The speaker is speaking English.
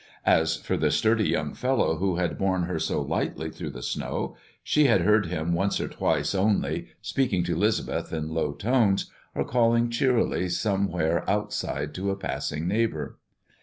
As for the sturdy young fellow who had borne her so lightly through the snow, she had heard him once or twice only, speaking to 'Lisbeth in low tones, or calling cheerily somewhere outside to a passing neighbor.